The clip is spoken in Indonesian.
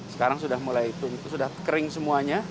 sekarang sudah mulai sudah kering semuanya